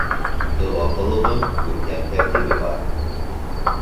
Доға ҡылыуҙың күркәм тәртибе бар.